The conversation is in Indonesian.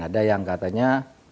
ada yang katanya